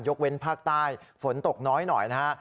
เว้นภาคใต้ฝนตกน้อยหน่อยนะฮะ